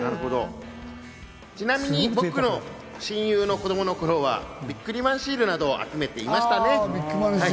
ちなみに僕の親友の子供の頃はビックリマンシールなどを集めていました。